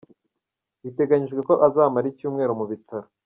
Biteganijwe ko azamara icyumweru mu bitaro.